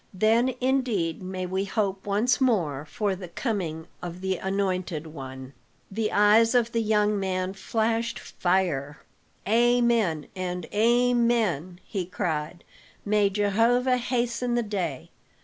Then indeed may we hope once more for the coming of the Anointed One." The eyes of the young man flashed fire. "Amen and Amen!" he cried. "May Jehovah hasten the day!"